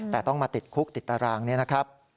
แต่ต้องมาติดคุกติดตารางเนี่ยนะครับ